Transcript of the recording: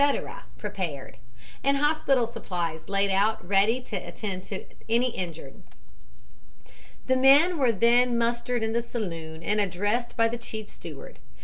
prepared, and hospital supplies laid out ready to attend to any injured. "The men were then mustered in the saloon and addressed by the chief steward.